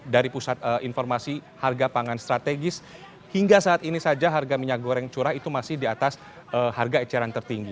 dari pusat informasi harga pangan strategis hingga saat ini saja harga minyak goreng curah itu masih di atas harga eceran tertinggi